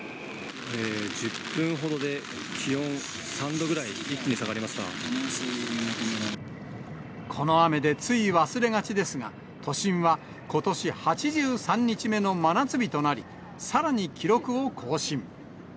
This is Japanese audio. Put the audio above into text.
１０分ほどで、気温３度ぐらこの雨でつい忘れがちですが、都心はことし８３日目の真夏日となり、さらに記録を更新。